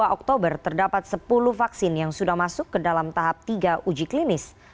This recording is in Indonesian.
dua oktober terdapat sepuluh vaksin yang sudah masuk ke dalam tahap tiga uji klinis